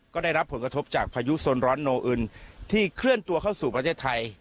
ก็ได้รับผลกระทบจากพายุสนร้อนโนอึนที่เคลื่อนตัวเข้าสู่ประเทศไทย